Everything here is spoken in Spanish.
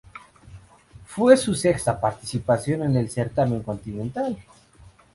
Fue su sexta participación en el certamen continental.